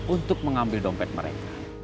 untuk mengambil dompet mereka